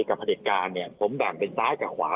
กับประเทศกาลเนี่ยผมด่างเป็นซ้ายกับขวา